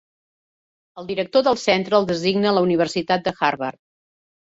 El director del centre el designa la Universitat de Harvard.